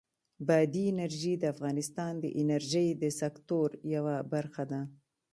بادي انرژي د افغانستان د انرژۍ د سکتور یوه برخه ده.